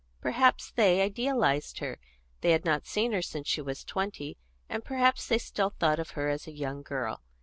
Perhaps they idealised her; they had not seen her since she was twenty, and perhaps they still thought of her as a young girl.